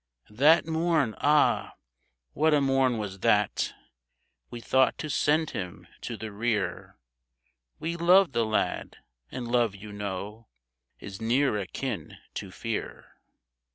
" That morn — ah ! what a morn was that !— We thought to send him to the rear ; We loved the lad — and love, you know, Is near akin to fear.